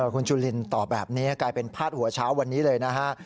คุณจุลินตอบแบบนี้กลายเป็นพาดหัวเช้าวันนี้เลยนะฮะ